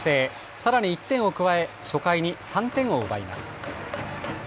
さらに１点を加え初回に３点を奪います。